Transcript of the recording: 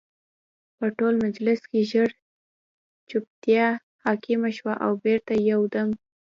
په ټول مجلس کې ژر جوپتیا حاکمه شوه او بېرته یو دم